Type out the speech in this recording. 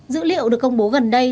dữ liệu được công bố gần đây